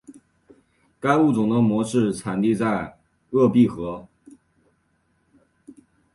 该物种的模式产地在鄂毕河。